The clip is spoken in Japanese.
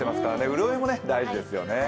潤いも大事ですよね。